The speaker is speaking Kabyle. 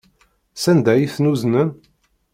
Sanda ay ten-uznen?